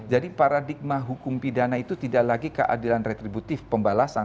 jadi paradigma hukum pidana itu tidak lagi keadilan retributif pembalasan